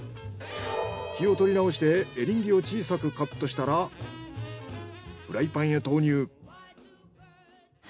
気を取り直してエリンギを小さくカットしたらフライパンへ投入。